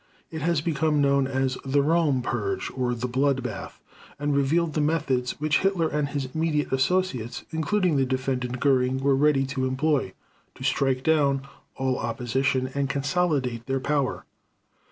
It has become known as the "Röhm Purge" or "the blood bath", and revealed the methods which Hitler and his immediate associates, including the Defendant Göring, were ready to employ to strike down all opposition and consolidate their power.